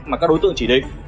mà các đối tượng chỉ định